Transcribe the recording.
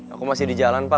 aku masih di jalan pak